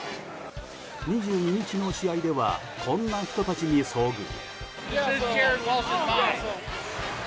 ２２日の試合ではこんな人たちに遭遇。